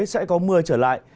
sẽ có mưa trở lại